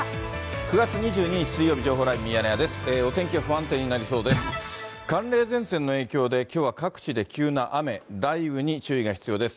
９月２２日水曜日、情報ライブミヤネ屋です。